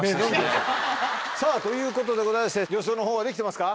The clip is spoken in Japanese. さぁということでございまして予想の方はできてますか？